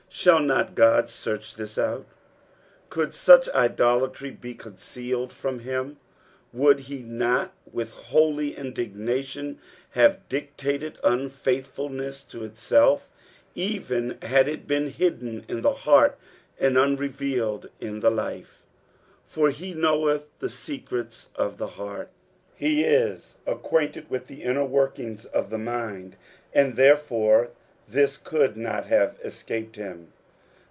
"Shah not God uarch thii outf" Could such idolatry be concealed from him ! Would be not with holy indignation have detected unruithfulnees to itself, even had it been hidden in the heart and unrevealcd in the life ?" .Tbr he knmceth th» tecret* of the heart." He is acquainted with the inner workings of the mind, and therefore this could not have escaped him.